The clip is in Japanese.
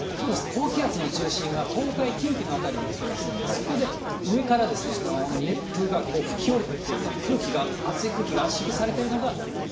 高気圧の中心が東海、近畿の辺りに来てますんで、そこで上から熱風が吹き下りてきている、空気が、暑い空気が圧縮